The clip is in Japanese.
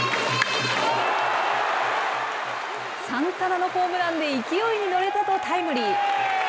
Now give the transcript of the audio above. サンタナのホームランで勢いに乗れたとタイムリー。